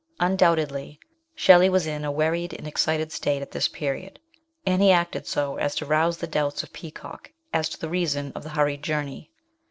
Un doubtedly Shelley was in a worried and excited state at this period, and he acted so as to rouse the doubts of Peacock as to the reason of the hurried journey.